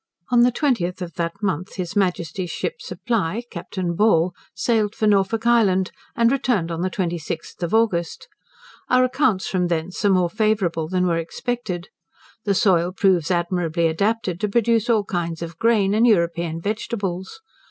On the 20th of that month His Majesty's ship Supply, Captain Ball, sailed for Norfolk Island, and returned on the 26th August. Our accounts from thence are more favourable than were expected. The soil proves admirably adapted to produce all kinds of grain, and European vegetables.